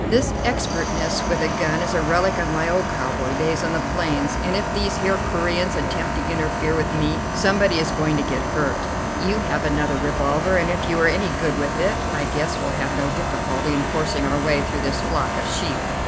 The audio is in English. This expertness with a gun is a relic of my old cowboy days on the plains, and if these here Coreans attempt to interfere with me, somebody is going to get hurt. You have another revolver, and if you are any good with it I guess we'll have no difficulty in forcing our way through this flock of sheep.